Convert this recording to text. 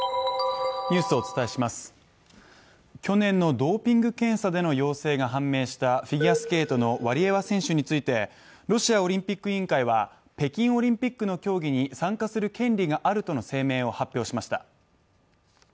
去年のドーピング検査での陽性が判明したフィギュアスケートのワリエワ選手についてロシアオリンピック委員会は北京オリンピックの競技に参加する権利があるとの声明を発表しました。